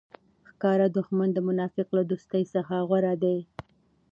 ښکاره دوښمن د منافق له دوستۍ څخه غوره دئ!